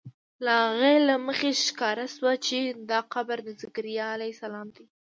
له هغې له مخې ښکاره شوه چې دا قبر د ذکریا علیه السلام دی.